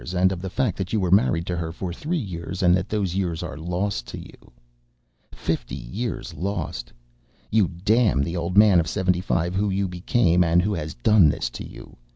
And of the fact that you were married to her for three years and that those years are lost to you. Fifty years lost. You damn the old man of seventy five whom you became and who has done this to you